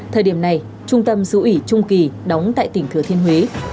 thời điểm này trung tâm sứ ủy trung kỳ đóng tại tỉnh thừa thiên huế